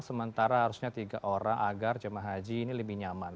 sementara harusnya tiga orang agar jemaah haji ini lebih nyaman